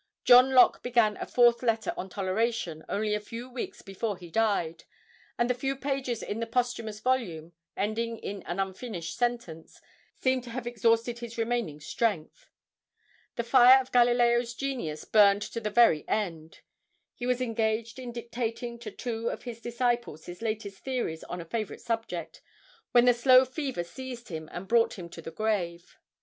John Locke began a "Fourth Letter on Toleration" only a few weeks before he died, and "the few pages in the posthumous volume, ending in an unfinished sentence, seem to have exhausted his remaining strength." The fire of Galileo's genius burned to the very end. He was engaged in dictating to two of his disciples his latest theories on a favorite subject, when the slow fever seized him that brought him to the grave.